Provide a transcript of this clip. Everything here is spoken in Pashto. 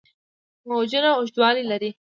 موجونه اوږدوالي لري.